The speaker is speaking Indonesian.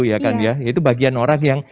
itu bagian orang yang